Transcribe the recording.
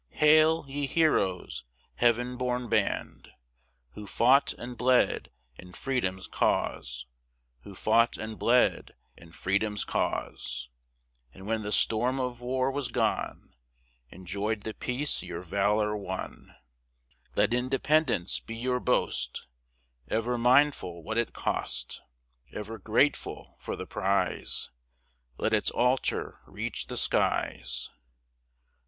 Hail! ye heroes, heav'n born band, Who fought and bled in freedom's cause, Who fought and bled in freedom's cause, And when the storm of war was gone, Enjoyed the peace your valor won; Let independence be your boast, Ever mindful what it cost, Ever grateful for the prize, Let its altar reach the skies.